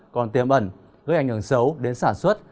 còn tiêm ẩn gây ảnh hưởng xấu đến sản xuất